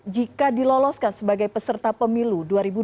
jika diloloskan sebagai peserta pemilu dua ribu dua puluh